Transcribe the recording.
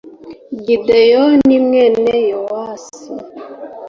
gideyoni, mwene yowasi